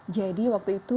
jadi waktu itu